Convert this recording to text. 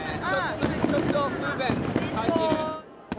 それちょっと不便に感じる。